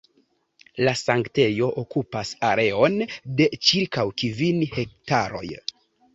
La sanktejo okupas areon de ĉirkaŭ kvin hektaroj.